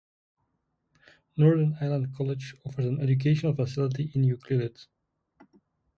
North Island College offers an educational facility in Ucluelet.